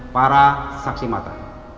para saksi mata